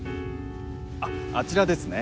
あっあちらですね。